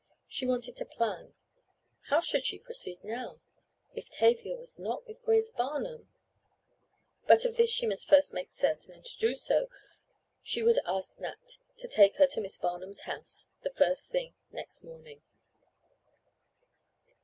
She wanted to plan. How should she proceed now? If Tavia was not with Grace Barnum— But of this she must first make certain, and to do so she would ask Nat to take her to Miss Barnum's house the first thing next morning.